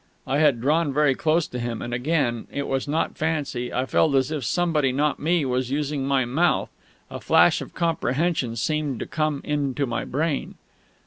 I had drawn very close to him, and again it was not fancy I felt as if somebody, not me, was using my mouth. A flash of comprehension seemed to come into my brain.